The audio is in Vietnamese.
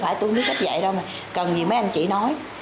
tôi không biết cách dạy đâu cần gì mấy anh chị nói